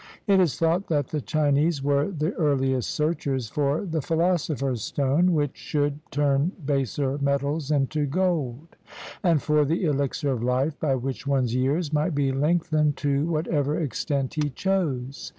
It is thought that the Chinese were the earliest searchers for the philosopher's stone, which should turn baser metals into gold; and for the elixir of life, by which one's years might be lengthened to whatever extent he chose.